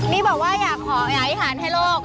นี่บอกว่าอยากขออย่างอาถิษฐานให้โลก